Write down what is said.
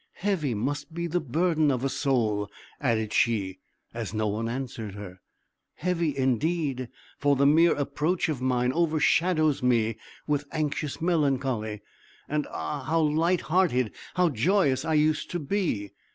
"Heavy must be the burden of a soul," added she, as no one answered her "heavy indeed! for the mere approach of mine over shadows me with anxious melancholy. And ah! how light hearted, how joyous I used to be!"